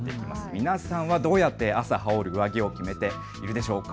皆さんはどうやって朝、羽織る上着を決めているのでしょうか。